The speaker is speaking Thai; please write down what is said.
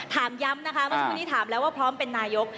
ถามย้ำนะคะเมื่อสักครู่นี้ถามแล้วว่าพร้อมเป็นนายก